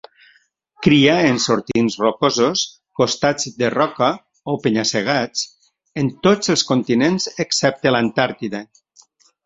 Cria en sortints rocosos, costats de roca o penya-segats, en tots els continents excepte l'Antàrtida.